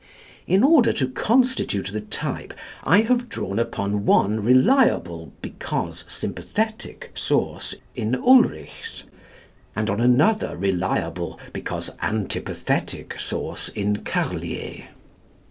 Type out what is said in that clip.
In order to constitute the type, I have drawn upon one reliable, because sympathetic, source in Ulrichs, and on another reliable, because antipathetic, source in Carlier.